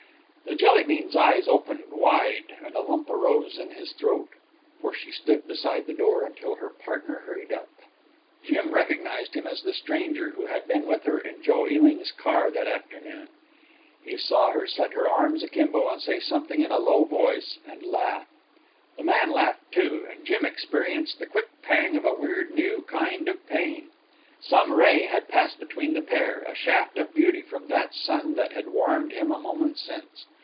The Jelly bean's eyes opened wide and a lump arose in his throat. For she stood beside the door until her partner hurried up. Jim recognized him as the stranger who had been with her in Joe Ewing's car that afternoon. He saw her set her arms akimbo and say something in a low voice, and laugh. The man laughed too and Jim experienced the quick pang of a weird new kind of pain. Some ray had passed between the pair, a shaft of beauty from that sun that had warmed him a moment since.